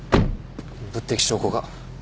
物的証拠が。